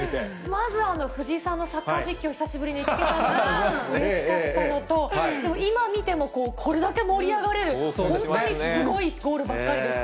まず藤井さんのサッカー実況、久しぶりに聞けてうれしかったのと、でも今見てもこれだけ盛り上がれる、本当にすごいゴールばっかりでした。